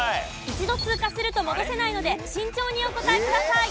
一度通過すると戻せないので慎重にお答えください。